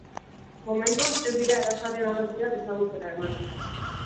Momentuz, ez dira erasoaren arrazoiak ezagutzera eman.